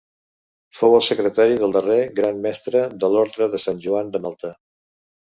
Fou el secretari del darrer Gran Mestre de l'Orde de Sant Joan de Malta.